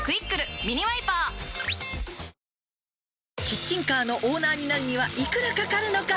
「キッチンカーのオーナーになるには幾らかかるのか」